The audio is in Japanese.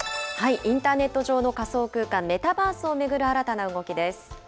インターネット上の仮想空間・メタバースを巡る新たな動きです。